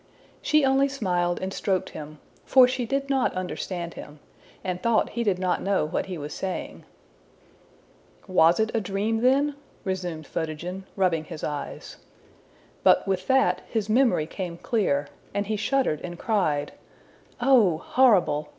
'' She only smiled and stroked him, for she did not understand him, and thought he did not know what he was saying. ``Was it a dream then?'' resumed Photogen, rubbing his eyes. But with that his memory came clear, and he shuddered and cried, ``Oh, horrible!